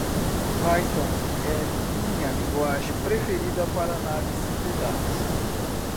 Python é minha linguagem preferida para análise de dados.